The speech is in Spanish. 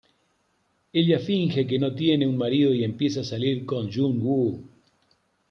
Ella finge que no tiene un marido y empieza a salir con Jung-woo.